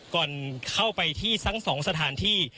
ก่อนเข้าไปที่ทั้ง๒สถานที่